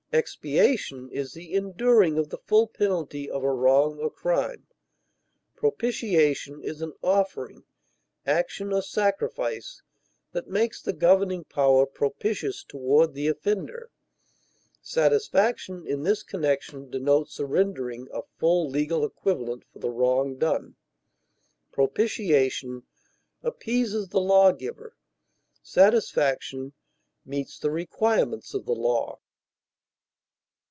Expiation is the enduring of the full penalty of a wrong or crime. Propitiation is an offering, action, or sacrifice that makes the governing power propitious toward the offender. Satisfaction in this connection denotes the rendering a full legal equivalent for the wrong done. Propitiation appeases the lawgiver; satisfaction meets the requirements of the law.